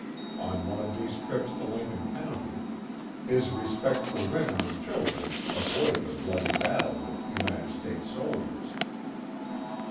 On one of these trips to Lincoln County, his respect for women and children, avoided a bloody battle with United States soldiers.